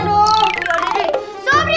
loh ini siapa